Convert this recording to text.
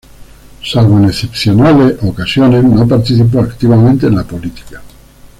Salvo en excepcionales ocasiones, no participó activamente en la política.